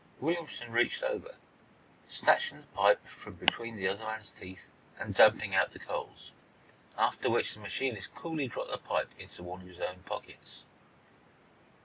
Williamson reached over, snatching the pipe from between the other man's teeth and dumping out the coals, after which the machinist coolly dropped the pipe into one of his own pockets.